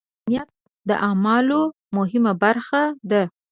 د زړۀ نیت د اعمالو مهمه برخه ده.